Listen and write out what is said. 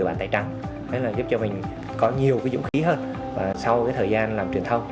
bản tài trắng thế là giúp cho mình có nhiều cái dũng khí hơn sau cái thời gian làm truyền thông